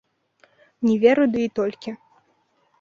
Не веру ды і толькі!